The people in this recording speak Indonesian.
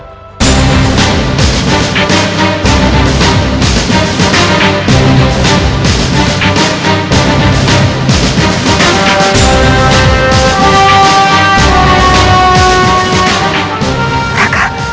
raka raka tolong beritahu aku